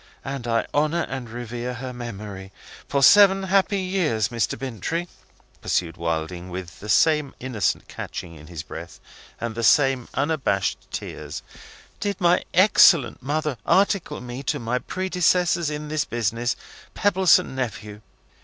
And I honour and revere her memory. For seven happy years, Mr. Bintrey," pursued Wilding, still with the same innocent catching in his breath, and the same unabashed tears, "did my excellent mother article me to my predecessors in this business, Pebbleson Nephew.